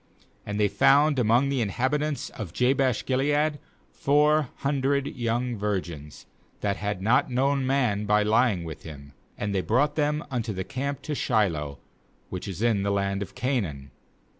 ^And they 'found among the inhabitants of Jabesh gilead four hundred young virgins, that had not known man by lying with him; and they brought them unto the camp to Shiloh, which is in the land of Canaan.